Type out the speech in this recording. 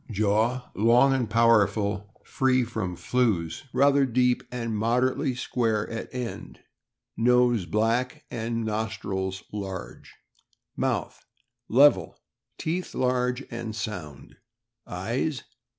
Jaw long and powerful, free from flews, rather deep, and moderately square at end. Nose black, and nostrils large. Mouth. — Level ; teeth large and sound. Eyes.